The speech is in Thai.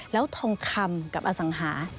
แล้วทองคำกับอสังหา